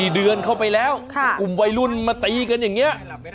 ๔เดือนเข้าไปแล้วกลุ่มวัยรุ่นมาตีกันอย่างนี้